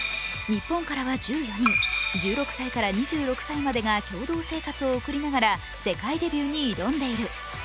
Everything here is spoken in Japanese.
日本からは１４人、１６歳から２６歳が共同生活を送りながら世界デビューに挑んでいる。